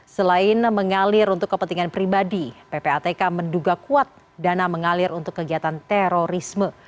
selain mengalir untuk kepentingan pribadi ppatk menduga kuat dana mengalir untuk kegiatan terorisme